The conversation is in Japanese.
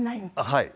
はい。